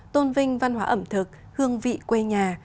tôn vinh văn hóa ẩm thực hương vị quê nhà